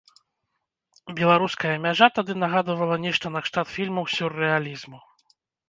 Беларуская мяжа тады нагадвала нешта накшталт фільмаў сюррэалізму.